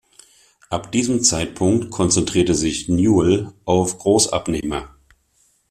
Ab diesem Zeitpunkt konzentrierte sich Newell auf Großabnehmer.